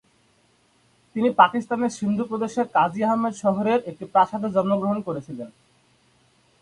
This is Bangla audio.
তিনি পাকিস্তানের সিন্ধু প্রদেশের কাজি আহমেদ শহরের একটি প্রাসাদে জন্মগ্রহণ করেছিলেন।